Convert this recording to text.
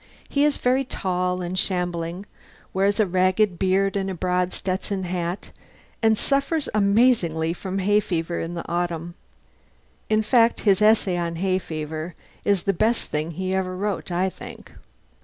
He is very tall and shambling, wears a ragged beard and a broad Stetson hat, and suffers amazingly from hay fever in the autumn. (In fact, his essay on "Hay Fever" is the best thing he ever wrote, I think.)